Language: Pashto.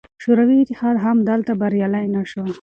شوروي اتحاد هم دلته بریالی نه شو.